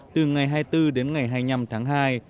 từ ngày hai mươi bốn đến ngày hai mươi năm tháng hai